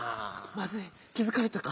まずい気づかれたか？